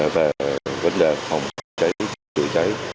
về vấn đề phòng cháy chữa cháy